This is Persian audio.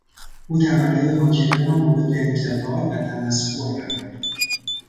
او طبقهی حاکمه را مورد انتقاد و تمسخر قرار داد.